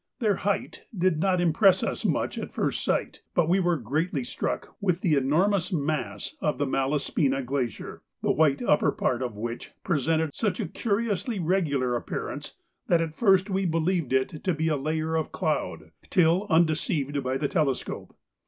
Their height did not impress us much at first sight, but we were greatly struck with the enormous mass of the Malaspina Glacier, the white upper part of which presented such a curiously regular appearance that at first we believed it to be a layer of cloud, till undeceived by the telescope.